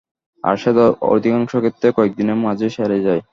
আর সেটা অধিকাংশ ক্ষেত্রে কয়েকদিনের মাঝেই সেরে যায়।